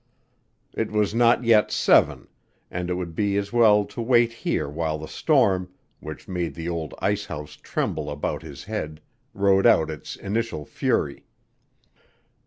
It was not yet seven, and it would be as well to wait here while the storm, which made the old ice house tremble about his head, rode out its initial fury.